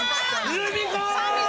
ルミ子！